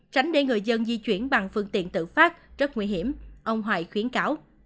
tránh để người dân di chuyển bằng phương tiện tự phát rất nguy hiểm ông hoài khuyến cáo